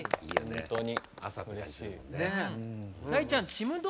本当に。